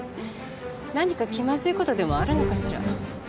何か気まずい事でもあるのかしら？